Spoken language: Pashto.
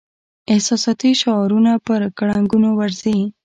احساساتي شعارونه پر ګړنګونو ورځي.